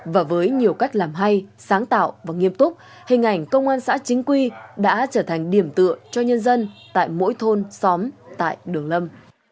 và với nhiều cách làm hay sáng tạo và nghiêm túc hình ảnh công an xã chính quy đã trở thành điểm tựa cho nhân dân tại mỗi thôn xóm tại đường lâm